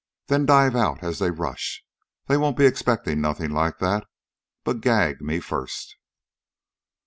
Then dive out, as they rush. They won't be expecting nothing like that. But gag me first."